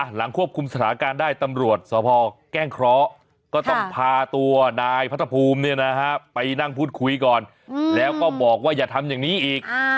หลังควบคุมสถานการณ์ได้ตำรวจสภแก้งเคราะห์ก็ต้องพาตัวนายพัทธภูมิไปนั่งพูดคุยก่อนแล้วก็บอกว่าอย่าทำอย่างนี้อีก